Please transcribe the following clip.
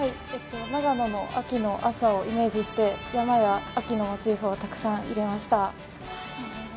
長野の秋の朝をイメージして山は秋の景色をたくさん入れました。